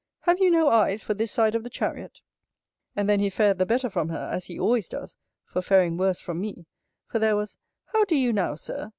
Have you no eyes for this side of the chariot? And then he fared the better from her, as he always does, for faring worse from me: for there was, How do you now, Sir?